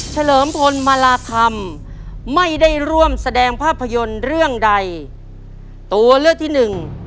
เลิมพลมาลาธรรมไม่ได้ร่วมแสดงภาพยนตร์เรื่องใดตัวเลือกที่หนึ่ง